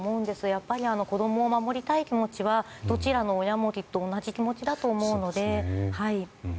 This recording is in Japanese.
やっぱり子どもを守りたい気持ちはどちらの親もきっと同じだと思うので。